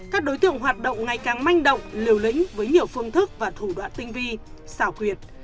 các đối tượng hoạt động ngày càng manh động liều lĩnh với nhiều phương thức và thủ đoạn tinh vi xảo quyệt